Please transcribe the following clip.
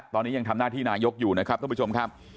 ตอนนี้ยังทำหน้าที่นายกอยู่นะครับท่านผู้ชมครับ